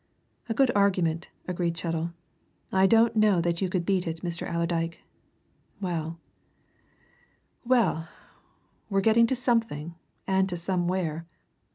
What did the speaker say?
"A good argument," agreed Chettle. "I don't know that you could beat it, Mr. Allerdyke. Well, well we're getting to something and to somewhere!